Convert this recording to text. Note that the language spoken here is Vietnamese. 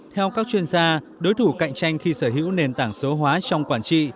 theo các chuyên gia đối thủ cạnh tranh khi sở hữu nền tảng số hóa trong quản trị